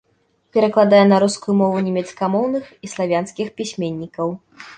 Перакладае на рускую мову нямецкамоўных і славянскіх пісьменнікаў.